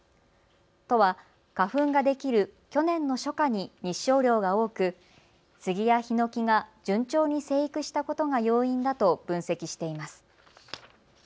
都は花粉ができる去年の初夏に日照量が多く、スギやヒノキが順調に生育したことが要因だと分析しています。